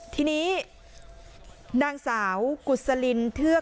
ที่นี้นางสาวกุศลินเหี้ยว